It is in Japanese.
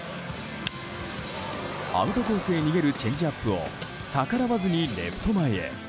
アウトコースへ逃げるチェンジアップを逆らわずにレフト前へ。